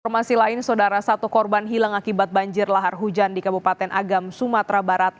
informasi lain saudara satu korban hilang akibat banjir lahar hujan di kabupaten agam sumatera barat